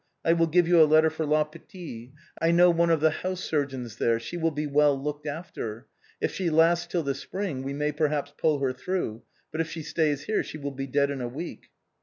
I will givo you a letter for La Pitié. I known one of the house sur« geons there ; she will be well looked after. If she lasts till the spring we may perha]>s pull her through, but if she stays here she will be dead in a week."